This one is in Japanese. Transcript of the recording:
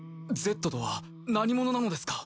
「Ｚとは何者なのですか？」